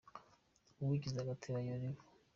uwigize agatebo ayora ivu